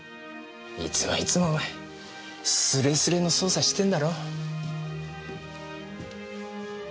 いつもいつもお前すれすれの捜査してんだろ。